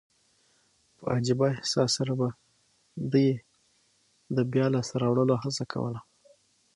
په عجبه احساس سره به دي يي د بیا لاسته راوړلو هڅه کول.